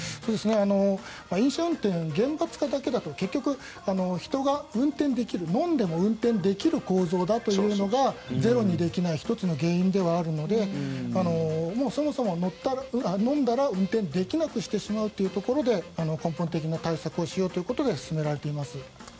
飲酒運転は厳罰化だけだと結局、人が運転できる飲んでも運転できる構造だというのがゼロにできない１つの原因ではあるのでもうそもそも飲んだら運転できなくしてしまうということで根本的な対策をしようということが進められています。